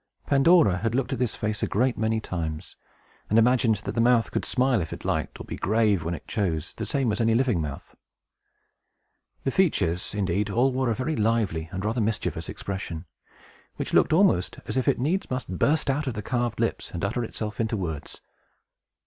Pandora had looked at this face a great many times, and imagined that the mouth could smile if it liked, or be grave when it chose, the same as any living mouth. The features, indeed, all wore a very lively and rather mischievous expression, which looked almost as if it needs must burst out of the carved lips, and utter itself in words.